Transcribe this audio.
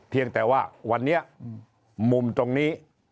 เพียงแต่ว่าวันนี้มุมตรงนี้